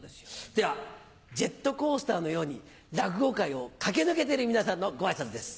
ではジェットコースターのように落語界を駆け抜けている皆さんのご挨拶です。